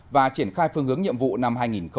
và triển khai phương hướng nhiệm vụ năm hai nghìn hai mươi